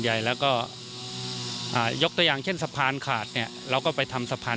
ที่ค่ายฝึกการเตรียมความช่วยเหลือประบบพิเศษสี่ชน